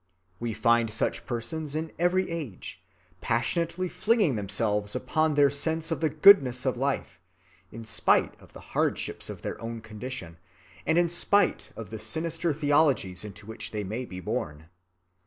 We find such persons in every age, passionately flinging themselves upon their sense of the goodness of life, in spite of the hardships of their own condition, and in spite of the sinister theologies into which they may be born.